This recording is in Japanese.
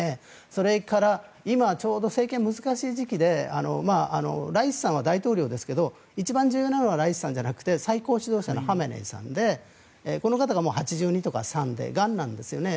それから今ちょうど政権が難しい時期でライシさんは大統領ですが一番重要なのはライシさんじゃなくて最高指導者のハメネイさんでこの方が８２歳とか８３歳でがんなんですよね。